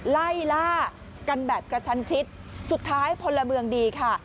ไล่ล่ากันแบบกระชันชิดสุดท้ายพลเมืองดีค่ะ